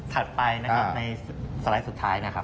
ไปนะครับในสไลด์สุดท้ายนะครับ